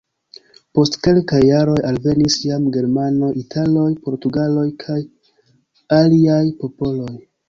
Post kelkaj jaroj alvenis jam germanoj, italoj, portugaloj kaj aliaj popoloj.